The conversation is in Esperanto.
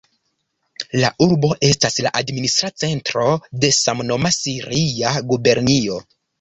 La urbo estas la administra centro de samnoma siria gubernio.